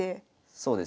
そうですね。